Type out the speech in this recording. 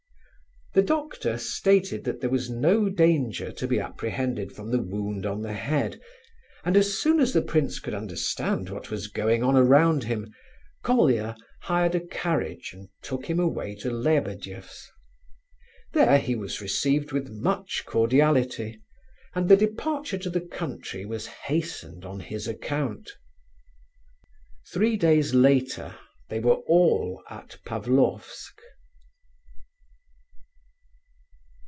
The doctor stated that there was no danger to be apprehended from the wound on the head, and as soon as the prince could understand what was going on around him, Colia hired a carriage and took him away to Lebedeff's. There he was received with much cordiality, and the departure to the country was hastened on his account. Three days later they were all at Pavlofsk.